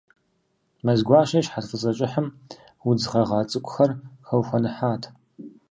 Мэзгуащэ и щхьэц фӏыцӏэ кӏыхьым удз гъэгъа цӏыкӏухэр хэухуэныхьат.